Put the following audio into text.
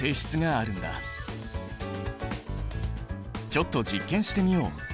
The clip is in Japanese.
ちょっと実験してみよう！